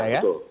ya ya itu